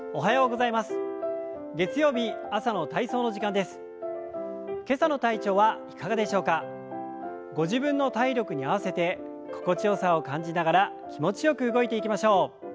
ご自分の体力に合わせて心地よさを感じながら気持ちよく動いていきましょう。